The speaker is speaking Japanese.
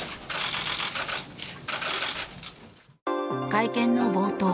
会見の冒頭